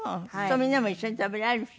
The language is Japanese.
みんなも一緒に食べられるしね。